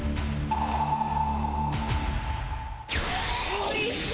おいしい！